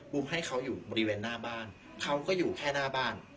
ให้เขาอยู่บริเวณหน้าบ้านเขาก็อยู่แค่หน้าบ้าน